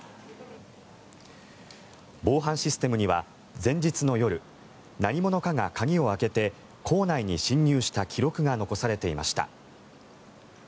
防犯システムには前日の夜何者かが鍵を開けて校内に侵入した記録が残されていました。